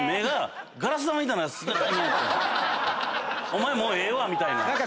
お前もうええわみたいな。